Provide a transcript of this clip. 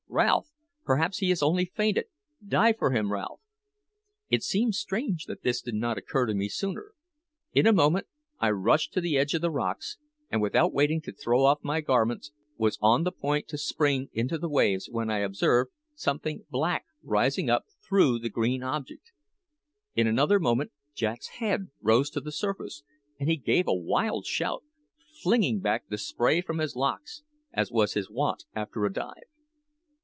Ralph! perhaps he has only fainted! Dive for him, Ralph!" It seemed strange that this did not occur to me sooner. In a moment I rushed to the edge of the rocks, and without waiting to throw off my garments, was on the point to spring into the waves when I observed something black rising up through the green object. In another moment Jack's head rose to the surface, and he gave a wild shout, flinging back the spray from his locks, as was his wont after a dive.